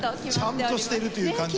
ちゃんとしてるという感じの。